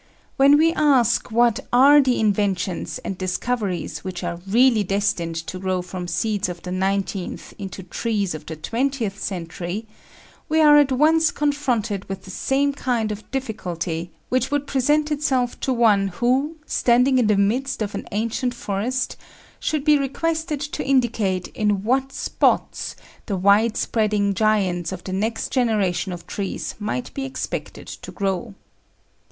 When we ask what are the inventions and discoveries which are really destined to grow from seeds of the nineteenth into trees of the twentieth century, we are at once confronted with the same kind of difficulty which would present itself to one who, standing in the midst of an ancient forest, should be requested to indicate in what spots the wide spreading giants of the next generation of trees might be expected to grow.